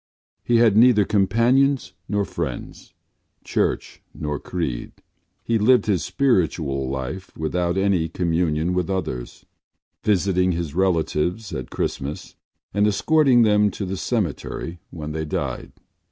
He had neither companions nor friends, church nor creed. He lived his spiritual life without any communion with others, visiting his relatives at Christmas and escorting them to the cemetery when they died.